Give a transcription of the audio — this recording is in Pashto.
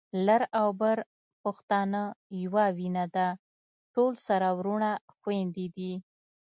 لر او بر پښتانه يوه وینه ده، ټول سره وروڼه خويندي دي